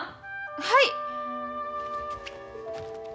はい！